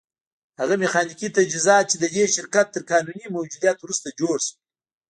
هغه ميخانيکي تجهيزات چې د دې شرکت تر قانوني موجوديت وروسته جوړ شول.